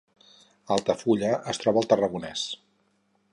Altafulla es troba al Tarragonès